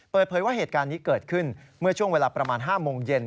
เปิดเผยว่าเหตุการณ์นี้เกิดขึ้นเมื่อช่วงเวลาประมาณ๕โมงเย็น